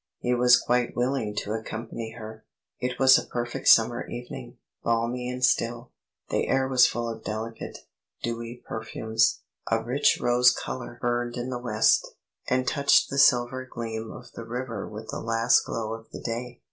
He was quite willing to accompany her. It was a perfect summer evening, balmy and still; the air was full of delicate, dewy perfumes; a rich rose colour burned in the west, and touched the silver gleam of the river with the last glow of the day.